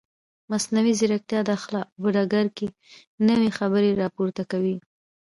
مصنوعي ځیرکتیا د اخلاقو په ډګر کې نوې خبرې راپورته کوي.